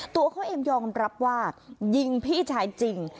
ตัวเขาเองยอมรับว่ายิงพี่ชายจริง